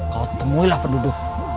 kau temui lah penduduk